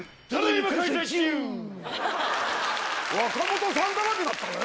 若本さんだらけだったね。